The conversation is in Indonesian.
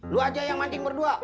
lu aja yang manding berdua